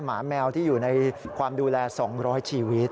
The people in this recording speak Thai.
หมาแมวที่อยู่ในความดูแล๒๐๐ชีวิต